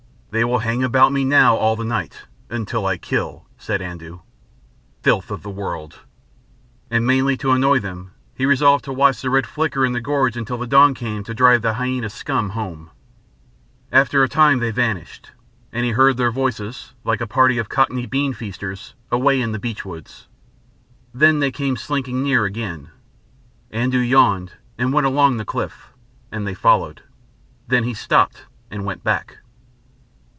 "They will hang about me now all the night ... until I kill," said Andoo. "Filth of the world!" And mainly to annoy them, he resolved to watch the red flicker in the gorge until the dawn came to drive the hyæna scum home. And after a time they vanished, and he heard their voices, like a party of Cockney beanfeasters, away in the beechwoods. Then they came slinking near again. Andoo yawned and went on along the cliff, and they followed. Then he stopped and went back.